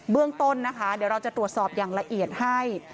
เรื่องต้นนะคะเดี๋ยวเราจะตรวจสอบอย่างละเอียดให้